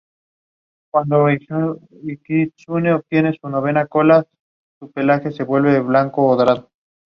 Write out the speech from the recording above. There is only one short mention of the pyramid in the entire work.